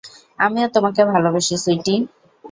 আমিও তোমাকে ভালোবাসি, সুইটি।